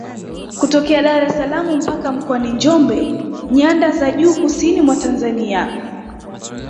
Kutokea Dar es salaam mpaka Mkoani Njombe nyanda za juu kusini mwa Tanzania